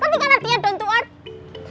penting kan artinya down to earth